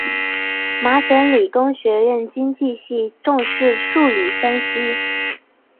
麻省理工学院经济系重视数理分析。